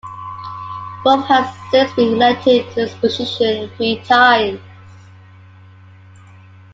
Wolff has since been elected to this position three times.